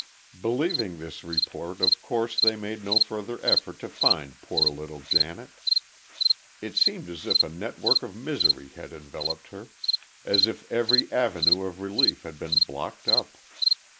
Believing this report, of course they made no further effort to find poor little Janet. It seemed as if a network of misery had enveloped her, as if every avenue of relief had been blocked up.